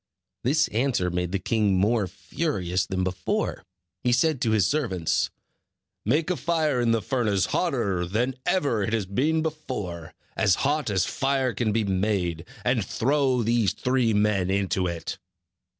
This answer made the king more furious than before. He said to his servants: "Make a fire in the furnace hotter than ever it has been before, as hot as fire can be made; and throw these three men into it."